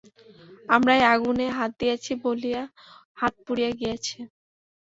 আমরাই আগুনে হাত দিয়াছি বলিয়া হাত পুড়িয়া গিয়াছে।